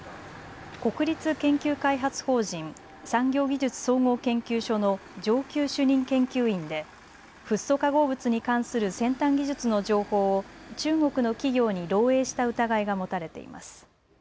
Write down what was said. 国立研究開発法人産業技術総合研究所の上級主任研究員でフッ素化合物に関する先端技術の情報を中国の企業に漏えいした疑いが持たれています。